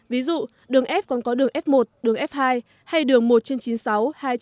ví dụ đường f còn có đường f một đường f hai hay đường một trên chín mươi sáu hai trên ba a